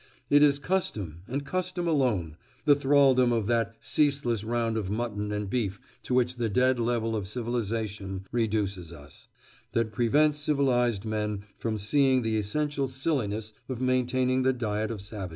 It is custom, and custom alone—the thraldom of that "ceaseless round of mutton and beef to which the dead level of civilisation reduces us"—that prevents civilised men from seeing the essential silliness of maintaining the diet of savages.